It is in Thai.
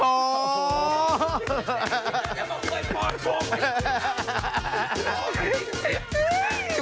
โอ้โฮ